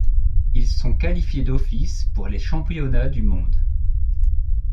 Ils sont qualifiés d'office pour les Championnats du Monde.